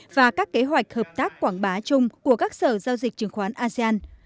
và các kế hoạch hợp tác quảng bá chung của các sở giao dịch chứng khoán asean